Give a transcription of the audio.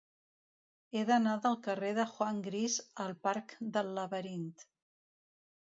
He d'anar del carrer de Juan Gris al parc del Laberint.